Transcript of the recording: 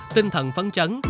tinh thần phấn chấn